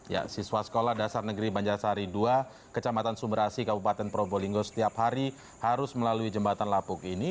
ya siswa sekolah dasar negeri banjarsari dua kecamatan sumberasi kabupaten probolinggo setiap hari harus melalui jembatan lapuk ini